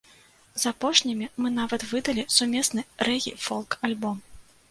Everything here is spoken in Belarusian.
З апошнімі мы нават выдалі сумесны рэгі-фолк-альбом.